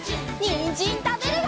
にんじんたべるよ！